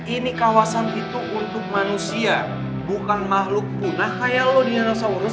ini kawasan itu untuk manusia bukan makhluk punah kayak lo di dinosaurus